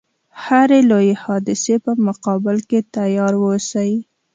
هري لويي حادثې په مقابل کې تیار و اوسي.